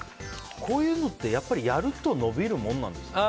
こういうのってやると伸びるものなんですか？